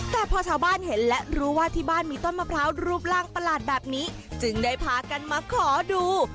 แต่พอชาวบ้านเห็นและรู้ว่าที่บ้านมีต้นมะพร้าวรูปร่างประหลาดแบบนี้จึงได้พากันมาขอดู